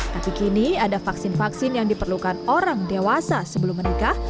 tapi kini ada vaksin vaksin yang diperlukan orang dewasa sebelum menikah